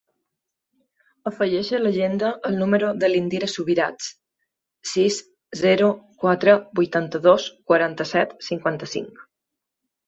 Afegeix a l'agenda el número de l'Indira Subirats: sis, zero, quatre, vuitanta-dos, quaranta-set, cinquanta-cinc.